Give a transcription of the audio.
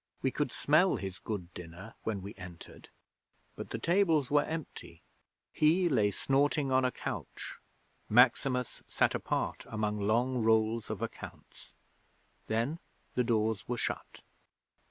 We could smell his good dinner when we entered, but the tables were empty. He lay snorting on a couch. Maximus sat apart among long rolls of accounts. Then the doors were shut.